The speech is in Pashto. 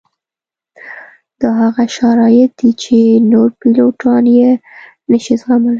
دا هغه شرایط دي چې نور پیلوټان یې نه شي زغملی